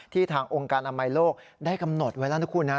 ทางองค์การอนามัยโลกได้กำหนดไว้แล้วนะคุณนะ